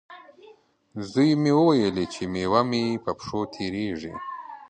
زوی مې وویلې، چې میوه مې په پښو تېرېږي.